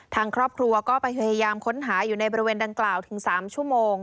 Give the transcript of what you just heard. ทางครอบครัวก็ไปพยายามค้นหาอยู่ในบริเวณดังกล่าวถึง๓ชั่วโมง